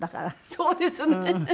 そうですね。